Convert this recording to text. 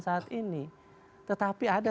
saat ini tetapi ada